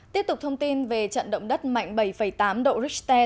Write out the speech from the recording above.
tiếp tục thông tin về trận động đất mạnh bảy tám độ richter